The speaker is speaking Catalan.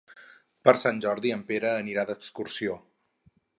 Per Sant Jordi en Pere anirà d'excursió.